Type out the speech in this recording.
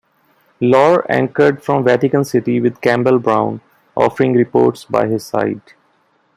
Lauer anchored from Vatican City with Campbell Brown offering reports by his side.